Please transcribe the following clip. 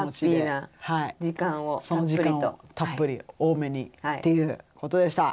その時間をたっぷり多めにっていうことでした。